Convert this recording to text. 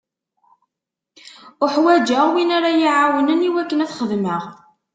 Uḥwaǧeɣ win ara yi-iɛawnen i wakken ad t-xedmeɣ.